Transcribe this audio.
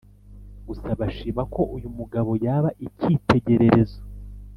gusa bashima ko uyu mugabo yabaye icyitegererezo